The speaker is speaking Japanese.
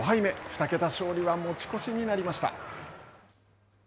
２桁勝利は持ち越しになりました。